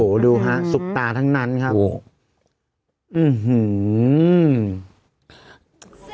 โอ้โหดูฮะสุกตาทั้งนั้นครับโอ้โหอื้อหือ